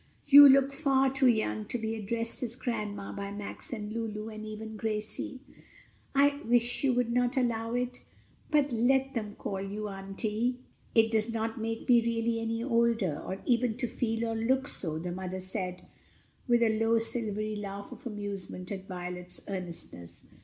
You look far too young to be addressed as grandma by Max and Lulu, or even Gracie. I wish you would not allow it, but let them call you auntie." "It does not make me really any older, or even to feel or look so," the mother said, with a low silvery laugh of amusement at Violet's earnestness.